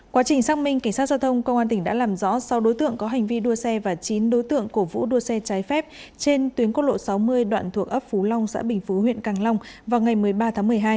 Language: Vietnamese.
quá trình xác minh cảnh sát giao thông công an tỉnh đã làm rõ sau đối tượng có hành vi đua xe và chín đối tượng cổ vũ đua xe trái phép trên tuyến quốc lộ sáu mươi đoạn thuộc ấp phú long xã bình phú huyện càng long vào ngày một mươi ba tháng một mươi hai